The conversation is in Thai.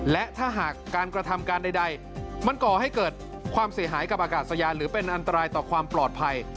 และถ้าหากการกระทำการใดมันก่อให้เกิดความเสียหายกับอากาศยานหรือเป็นอันตรายต่อความปลอดภัย